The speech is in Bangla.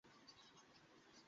করেই ফেলো সমস্যা কোথায়?